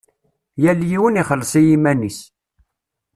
Yal yiwen ixelleṣ i yiman-is.